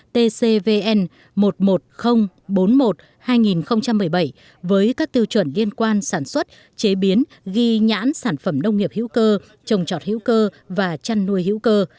tcvn một mươi một nghìn bốn mươi một hai nghìn một mươi bảy với các tiêu chuẩn liên quan sản xuất chế biến ghi nhãn sản phẩm nông nghiệp hữu cơ trồng trọt hữu cơ và chăn nuôi hữu cơ